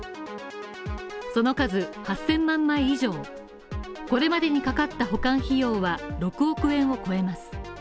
その数８０００万枚以上、これまでにかかった保管費用は６億円を超えます。